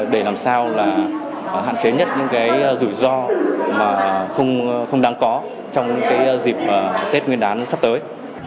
để làm sao là hạn chế nhất những cái rủi ro mà không đáng có trong cái dịp tết nguyên đán sắp tới